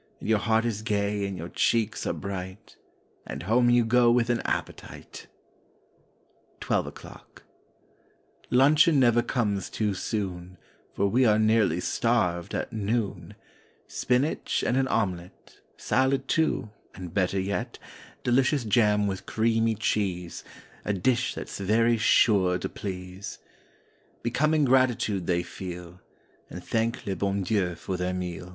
And your heart is gay and your cheeks are bright— And home you go with an appetite! 21 ELEVEN O'CLOCK 23 TWELVE O'CLOCK 1 UNCHEON never comes too soon, J Eor we are nearly starved at noon! Spinach and an omelette, Salad, too, and better yet Delicious jam with creamy cheese— A dish that's very sure to please! Becoming gratitude they feel. And thank le bon Dieii for their meal.